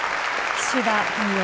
岸田文雄